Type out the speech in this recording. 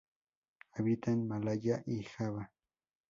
Habita en Malaya y Java.